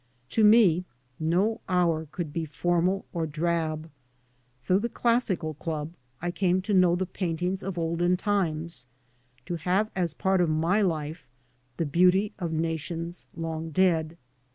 To me no hour could be formal or drab. Through the classical club I came to know the paintings of olden times, to have as part of my life the beauty of nations long dead.